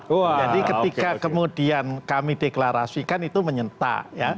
jadi ketika kemudian kami deklarasikan itu menyentak